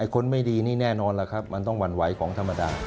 คนไม่ดีนี่แน่นอนล่ะครับมันต้องหวั่นไหวของธรรมดา